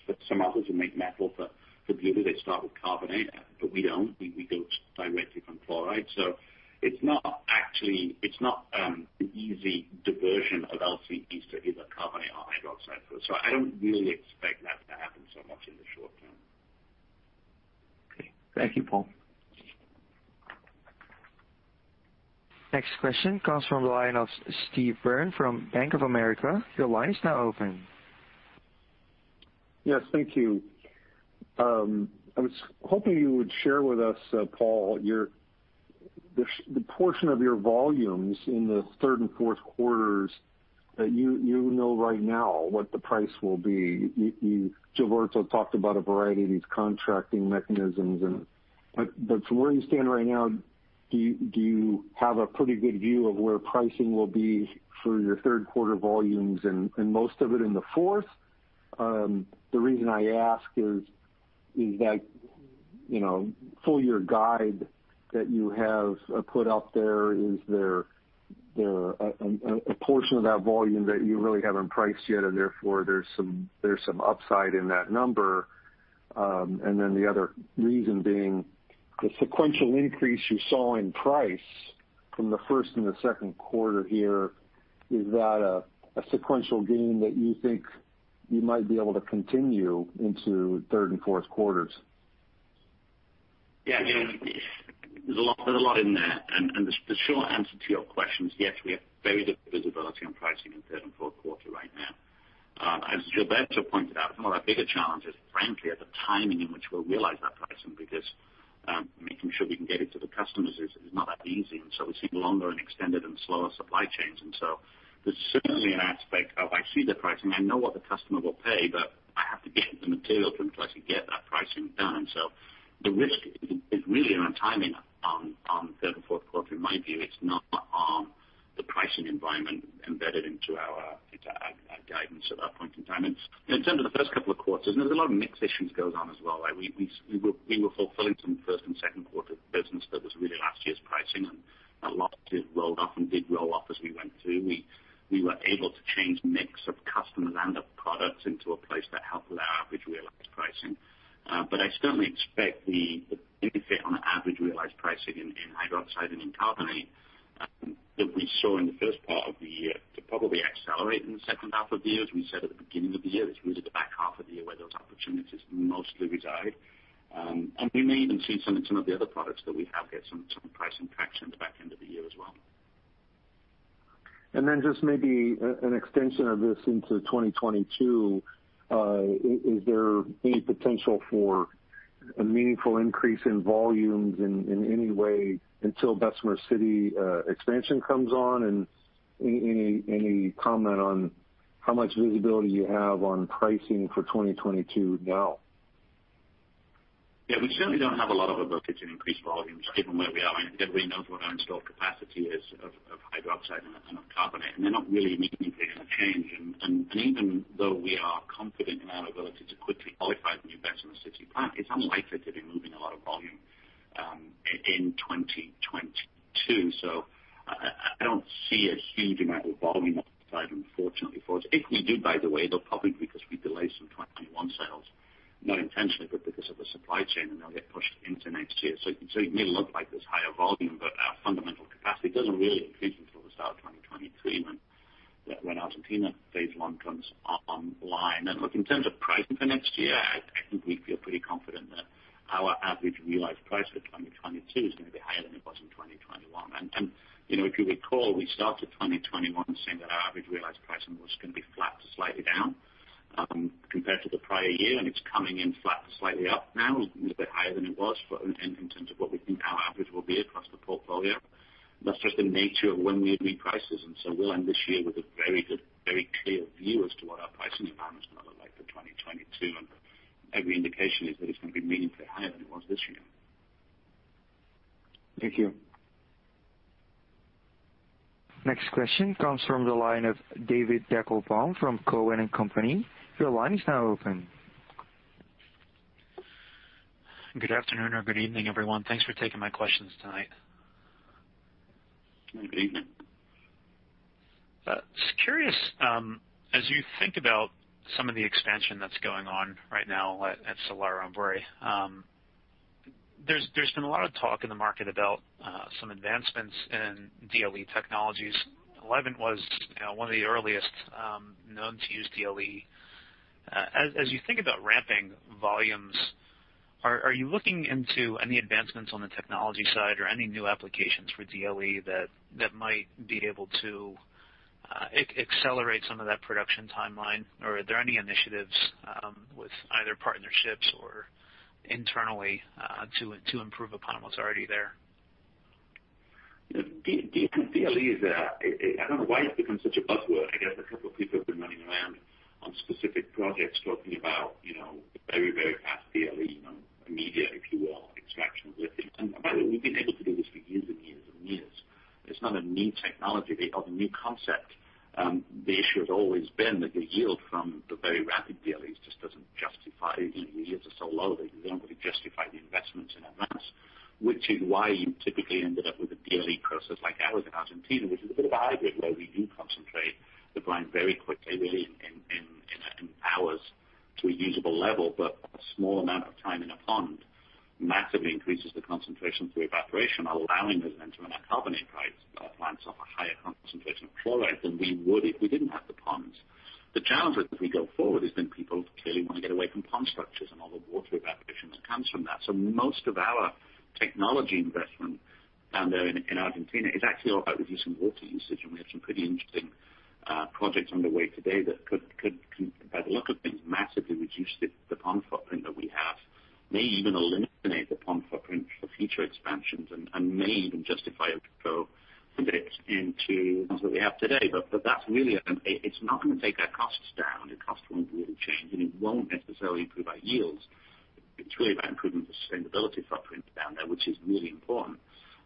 For some others who make metal for butyl, they start with carbonate. We don't. We go directly from chloride. It's not an easy diversion of LCEs to either carbonate or hydroxide. I don't really expect that to happen so much in the short term. Okay. Thank you, Paul. Next question comes from the line of Steve Byrne from Bank of America. Your line is now open. Yes. Thank you. I was hoping you would share with us, Paul, the portion of your volumes in the third and fourth quarters that you know right now what the price will be. From where you stand right now, do you have a pretty good view of where pricing will be for your third quarter volumes and most of it in the fourth? The reason I ask is that full year guide that you have put out there, is there a portion of that volume that you really haven't priced yet, and therefore there's some upside in that number? The other reason being the sequential increase you saw in price from the first and the second quarter here, is that a sequential gain that you think you might be able to continue into third and fourth quarters? Yeah. There's a lot in there, and the short answer to your question is yes, we have very good visibility on pricing in third and fourth quarter right now. As Gilberto pointed out, some of our bigger challenges, frankly, are the timing in which we'll realize that pricing because making sure we can get it to the customers is not that easy. We're seeing longer and extended and slower supply chains. There's certainly an aspect of, I see the pricing, I know what the customer will pay, but I have to get the material to them to actually get that pricing done. The risk is really around timing on third and fourth quarter, in my view. It's not on the pricing environment embedded into our guidance at that point in time. In terms of the first couple quarters, there's a lot of mix issues going on as well. We were fulfilling some first and second quarter business that was really last year's pricing, and a lot of it rolled off and did roll off as we went through. We were able to change mix of customers and of products into a place that helped with our average realized pricing. I certainly expect the benefit on average realized pricing in hydroxide and in carbonate, that we saw in the 1st part of the year to probably accelerate in the second half of the year, as we said at the beginning of the year. It's really the back half of the year where those opportunities mostly reside. We may even see some in some of the other products that we have here, some pricing traction at the back end of the year as well. Then just maybe an extension of this into 2022. Is there any potential for a meaningful increase in volumes in any way until Bessemer City expansion comes on? Any comment on how much visibility you have on pricing for 2022 now? Yeah. We certainly don't have a lot of ability to increase volumes given where we are. I think everybody knows what our installed capacity is of hydroxide and of carbonate. They're not really meaningfully going to change. Even though we are confident in our ability to quickly qualify the new Bessemer City plant, it's unlikely to be moving a lot of volume in 2022. I don't see a huge amount of volume on the side unfortunately for us. If we do, by the way, they'll probably be because we delay some 2021 sales, not intentionally, but because of the supply chain, and they'll get pushed into next year. It may look like there's higher volume, but our fundamental capacity doesn't really increase until the start of 2023 when Argentina phase I comes online. Look, in terms of pricing for next year, I think we feel pretty confident that our average realized price for 2022 is going to be higher than it was in 2021. If you recall, we started 2021 saying that our average realized pricing was going to be flat to slightly down compared to the prior year, and it's coming in flat to slightly up now, a little bit higher than it was in terms of what we think our average will be across the portfolio. That's just the nature of when we agree prices. We'll end this year with a very good, very clear view as to what our pricing environment is going to look like for 2022. Every indication is that it's going to be meaningfully higher than it was this year. Thank you. Next question comes from the line of David Deckelbaum from Cowen and Company. Your line is now open. Good afternoon or good evening, everyone. Thanks for taking my questions tonight. Good evening. Just curious, as you think about some of the expansion that's going on right now at Salar del Hombre Muerto. There's been a lot of talk in the market about some advancements in DLE technologies. Livent was one of the earliest known to use DLE. As you think about ramping volumes, are you looking into any advancements on the technology side or any new applications for DLE that might be able to accelerate some of that production timeline? Or are there any initiatives with either partnerships or internally to improve upon what's already there? DLE, I don't know why it's become such a buzzword. I guess a couple of people have been running around on specific projects talking about the very, very fast DLE immediate, if you will, extraction of lithium. By the way, we've been able to do this for years and years and years. It's not a new technology or a new concept. The issue has always been that the yields from the very rapid DLEs are so low that they don't really justify the investments in advance, which is why you typically ended up with a DLE process like ours in Argentina, which is a bit of a hybrid, where we do concentrate the brine very quickly, really in hours, to a usable level. A small amount of time in a pond massively increases the concentration through evaporation, allowing us then to run our carbonate plants off a higher concentration of chloride than we would if we didn't have the ponds. The challenge as we go forward is people clearly want to get away from pond structures and all the water evaporation that comes from that. Most of our technology investment down there in Argentina is actually all about reducing water usage, and we have some pretty interesting projects underway today that could, by the look of things, massively reduce the pond footprint that we have. May even eliminate the pond footprint for future expansions and may even justify it to go into ponds that we have today. That's really, it's not going to take our costs down. The cost won't really change, and it won't necessarily improve our yields. It's really about improving the sustainability footprint down there, which is really important.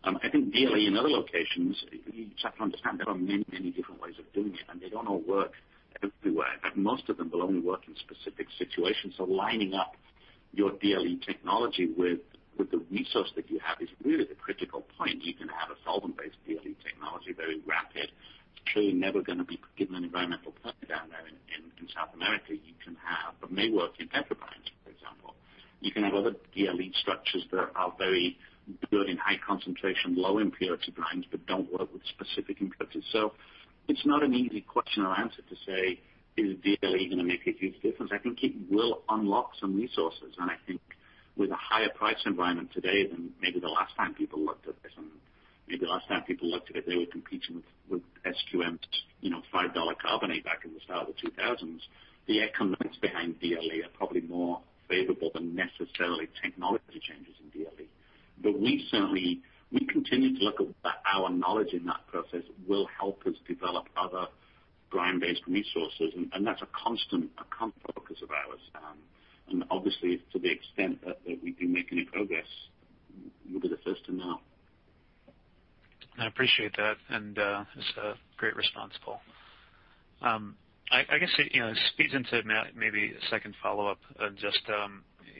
I think DLE in other locations, you just have to understand there are many, many different ways of doing it. They don't all work everywhere. In fact, most of them will only work in specific situations. Lining up your DLE technology with the resource that you have is really the critical point. You can have a solvent-based DLE technology, very rapid. It's clearly never going to be given an environmental permit down there in South America. You can have other DLE structures that are very good in high concentration, low impurity brines, but don't work with specific impurities. It's not an easy question or answer to say, is DLE going to make a huge difference? I think it will unlock some resources. I think with a higher price environment today than maybe the last time people looked at this, and maybe the last time people looked at it, they were competing with SQM's $5 carbonate back in the start of the 2000s. The economics behind DLE are probably more favorable than necessarily technology changes in DLE. We continue to look at our knowledge in that process will help us develop other brine-based resources, and that's a constant focus of ours. Obviously to the extent that we do make any progress, you'll be the first to know. I appreciate that, and it's a great response, Paul. I guess it speaks into maybe a second follow-up of just,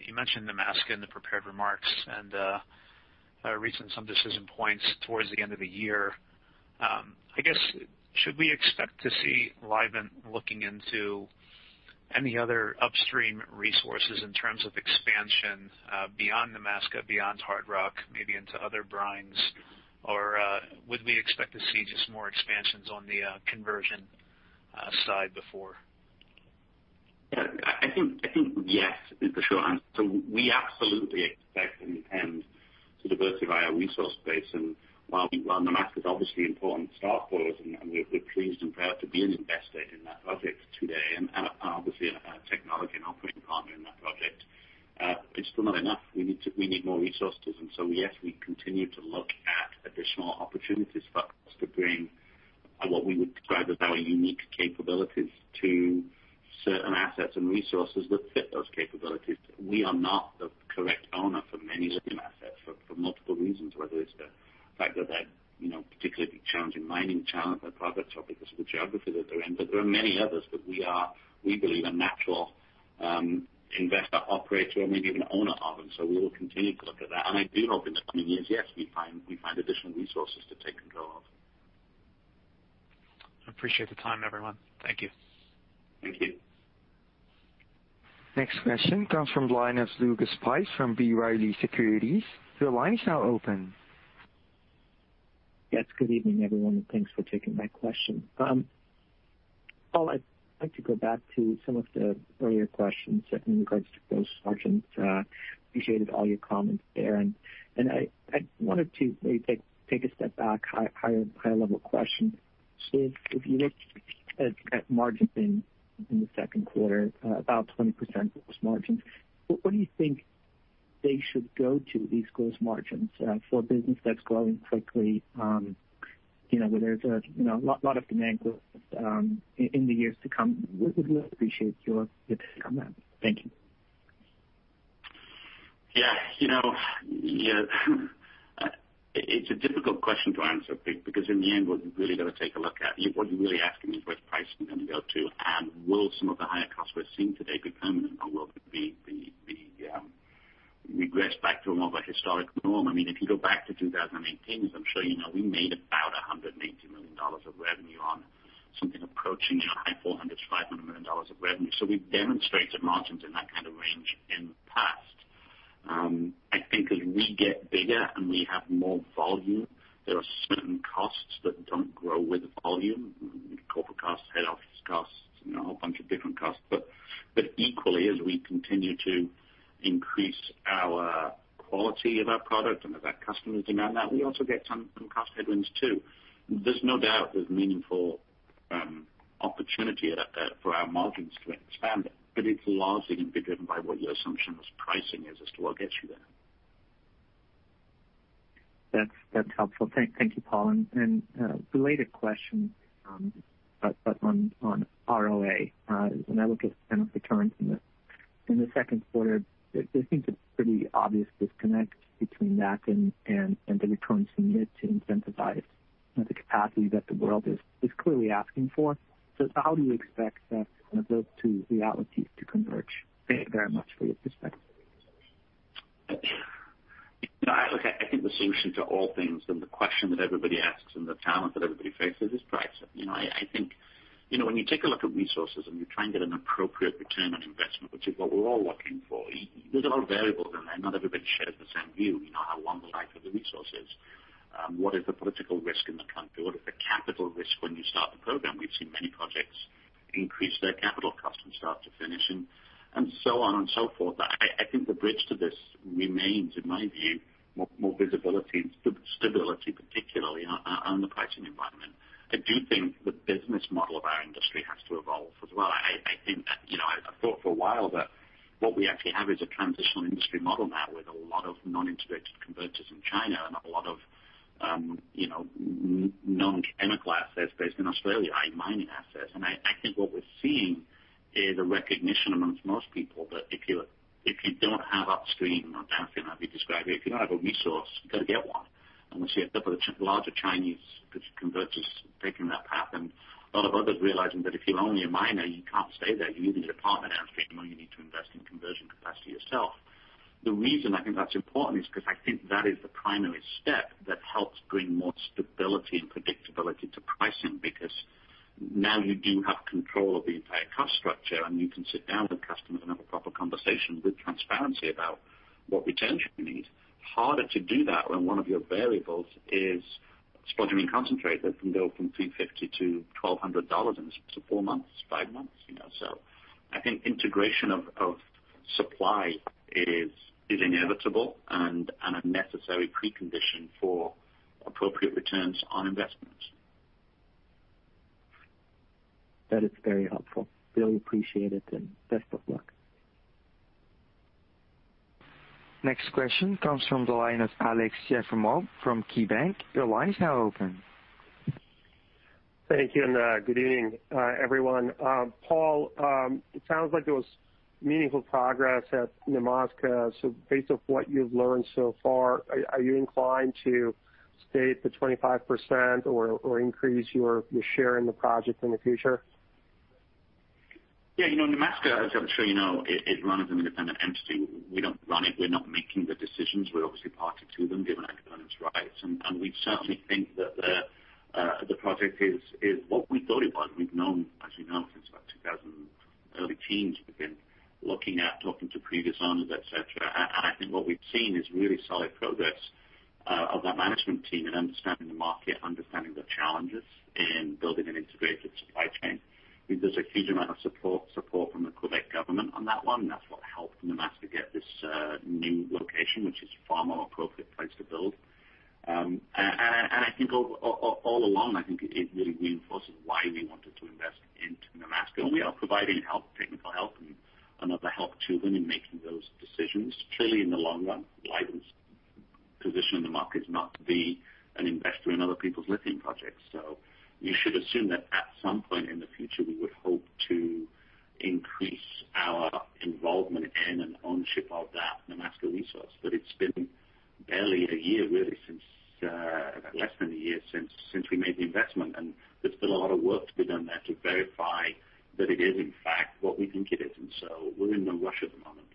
you mentioned Nemaska in the prepared remarks, and reaching some decision points towards the end of the year. I guess, should we expect to see Livent looking into any other upstream resources in terms of expansion beyond Nemaska, beyond hard rock, maybe into other brines, or would we expect to see just more expansions on the conversion side before? I think yes is the short answer. We absolutely expect them to diversify our resource base. While Nemaska is obviously an important start for us and we're pleased and proud to be an investor in that project today and obviously a technology and operating partner in that project, it's still not enough. We need more resources. Yes, we continue to look at additional opportunities for us to bring what we would describe as our unique capabilities to certain assets and resources that fit those capabilities. We are not the correct owner for many lithium assets for multiple reasons, whether it's the fact that they're particularly challenging mining challenges or projects, or because of the geography that they're in. There are many others that we believe a natural investor operator or maybe even owner of, and so we will continue to look at that. I do hope in the coming years, yes, we find additional resources to take control of. I appreciate the time, everyone. Thank you. Thank you. Next question comes from the line of Lucas Pipes from B. Riley Securities. Your line is now open. Yes. Good evening, everyone, and thanks for taking my question. Paul, I'd like to go back to some of the earlier questions in regards to gross margins. Appreciated all your comments there. I wanted to maybe take a step back, higher level question. If you look at margins in the second quarter, about 20% gross margins, what do you think they should go to, these gross margins, for a business that's growing quickly where there's a lot of demand growth in the years to come? Would really appreciate your comment. Thank you. Yeah. It's a difficult question to answer because in the end, what you've really got to take a look at, what you're really asking is where's price going to go to and will some of the higher costs we're seeing today become or will they regress back to a more of a historic norm. If you go back to 2018, as I'm sure you know, we made about $180 million of revenue on something approaching high four hundreds, $500 million of revenue. We've demonstrated margins in that kind of range in the past. I think as we get bigger and we have more volume, there are certain costs that don't grow with volume, corporate costs, head office costs, a whole bunch of different costs. Equally, as we continue to increase our quality of our product and of that customer's demand, that we also get some cost headwinds too. There's no doubt there's meaningful opportunity for our margins to expand, but it's largely going to be driven by what your assumption is pricing is as to what gets you there. That's helpful. Thank you, Paul. A related question but on ROA, when I look at kind of the trends in the second quarter, there seems a pretty obvious disconnect between that and the returns needed to incentivize the capacity that the world is clearly asking for. How do you expect those two realities to converge? Thank you very much for your perspective. Look, I think the solution to all things and the question that everybody asks and the challenge that everybody faces is pricing. I think when you take a look at resources and you try and get an appropriate return on investment, which is what we're all looking for, there's a lot of variables in there. Not everybody shares the same view. How long the life of the resource is. What is the political risk in the country? What is the capital risk when you start the program? We've seen many projects increase their capital costs from start to finish and so on and so forth. I think the bridge to this remains, in my view, more visibility and stability, particularly on the pricing environment. I do think the business model of our industry has to evolve as well. I've thought for a while that what we actually have is a transitional industry model now with a lot of non-integrated converters in China and a lot of non-chemical assets based in Australia, i.e., mining assets. I think what we're seeing is a recognition amongst most people that if you don't have upstream or downstream, as you described it, if you don't have a resource, you got to get one. We see a couple of larger Chinese converters taking that path and a lot of others realizing that if you're only a miner, you can't stay there. You either need a partner downstream or you need to invest in conversion capacity yourself. The reason I think that's important is because I think that is the primary step that helps bring more stability and predictability to pricing because now you do have control of the entire chain and you can sit down with customers and have a proper conversation with transparency about what returns you need. Harder to do that when one of your variables is spodumene concentrate that can go from $350-$1,200 in four months, five months. I think integration of supply is inevitable and a necessary precondition for appropriate returns on investment. That is very helpful. Really appreciate it, and best of luck. Next question comes from the line of Aleksey Yefremov from KeyBanc. Your line is now open. Thank you. Good evening, everyone. Paul, it sounds like there was meaningful progress at Nemaska. Based off what you've learned so far, are you inclined to stay at the 25% or increase your share in the project in the future? Yeah, Nemaska, as I'm sure you know, it is run as an independent entity. We don't run it. We're not making the decisions. We're obviously party to them, given our governance rights. We certainly think that the project is what we thought it was. We've known, as you know, since about 2000 early teens, we've been looking at talking to previous owners, et cetera. I think what we've seen is really solid progress of that management team in understanding the market, understanding the challenges in building an integrated supply chain. I mean, there's a huge amount of support from the Québec government on that one, and that's what helped Nemaska get this new location, which is far more appropriate place to build. I think all along, I think it really reinforces why we wanted to invest into Nemaska, and we are providing help, technical help and other help to them in making those decisions. Clearly, in the long run, Livent's position in the market is not to be an investor in other people's lithium projects. You should assume that at some point in the future, we would hope to increase our involvement in and ownership of that Nemaska resource. It's been barely a year, really, since, less than a year since we made the investment. There's been a lot of work to be done there to verify that it is in fact what we think it is. We're in no rush at the moment.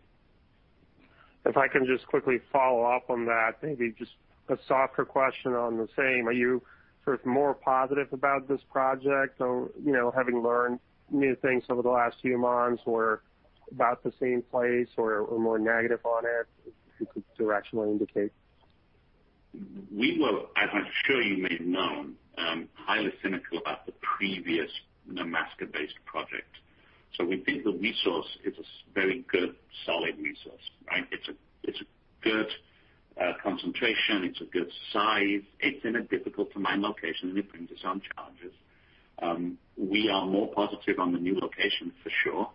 If I can just quickly follow up on that, maybe just a softer question on the same. Are you sort of more positive about this project or having learned new things over the last few months, or about the same place or more negative on it? If you could directionally indicate. We were, as I'm sure you may have known, highly cynical about the previous Nemaska-based project. We think the resource is a very good, solid resource, right? It's a good concentration. It's a good size. It's in a difficult to mine location, and it brings its own challenges. We are more positive on the new location for sure,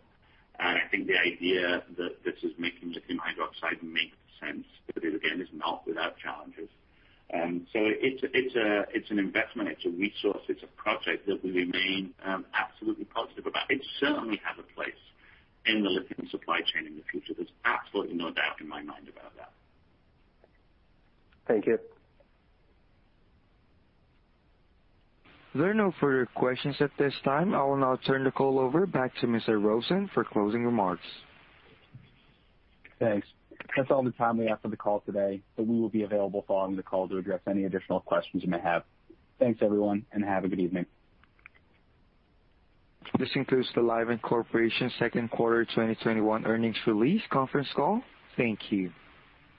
and I think the idea that this is making lithium hydroxide makes sense, but it again, is not without challenges. It's an investment. It's a resource. It's a project that we remain absolutely positive about. It certainly has a place in the lithium supply chain in the future. There's absolutely no doubt in my mind about that. Thank you. There are no further questions at this time. I will now turn the call over back to Mr. Rosen for closing remarks. Thanks. That's all the time we have for the call today, but we will be available following the call to address any additional questions you may have. Thanks, everyone, and have a good evening. This concludes the Livent Corporation second quarter 2021 earnings release conference call. Thank you.